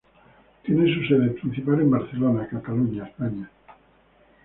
Tiene su sede principal en Barcelona, Cataluña, España.